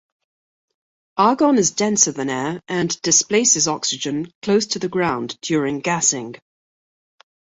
Argon is denser than air and displaces oxygen close to the ground during gassing.